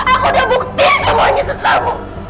aku udah bukti semuanya ke kamu